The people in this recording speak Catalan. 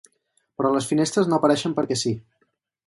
Però les finestres no apareixen perquè sí.